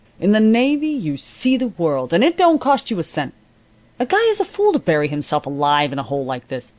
In the navy you see the world, and it don't cost you a cent. A guy is a fool to bury himself alive in a hole like this.